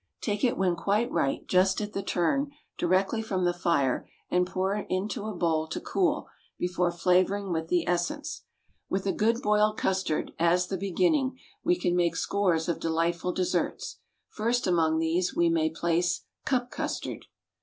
Take it when quite right—just at the turn—directly from the fire, and pour into a bowl to cool, before flavoring with the essence. With a good boiled custard as the beginning we can make scores of delightful desserts. First among these we may place Cup Custard.